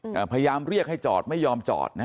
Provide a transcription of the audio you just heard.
พยายามเรียกให้จอดไม่ยอมจอดนะ